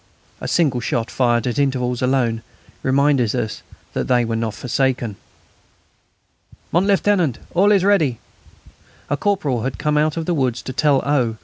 A single shot fired at intervals alone reminded us that they were not forsaken. "Mon Lieutenant, it's all ready." A corporal had come out of the wood to tell O.